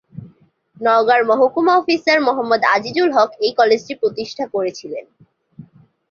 নওগাঁর মহকুমা অফিসার মোহাম্মদ আজিজুল হক এই কলেজটি প্রতিষ্ঠা করেছিলেন।